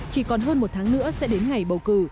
chỉ còn hơn một tháng nữa sẽ đến ngày bầu cử